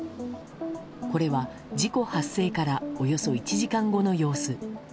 これは、事故発生からおよそ１時間後の様子。